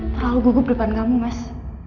terlalu gugup depan kamu mas